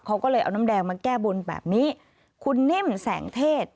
เขาก็เลยเอาน้ำแดงมาแก้บนแบบนี้คุณนิ่มแสงเทศ